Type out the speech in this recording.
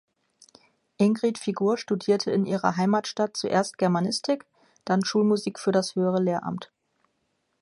Ingrid Figur studierte in ihrer Heimatstadt zuerst Germanistik, dann Schulmusik für das Höhere Lehramt.